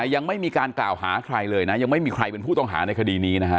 ยังไม่มีการกล่าวหาใครเลยนะยังไม่มีใครเป็นผู้ต้องหาในคดีนี้นะฮะ